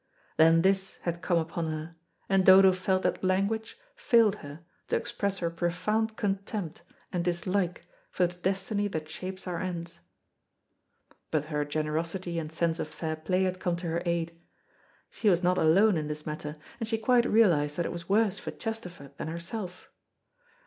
Then this had come upon her, and Dodo felt that language, failed her to express her profound contempt and dislike for the destiny that shapes our ends. But her generosity and sense of fair play had come to her aid. She was not alone in this matter, and she quite realised that it was worse for Chesterford than herself.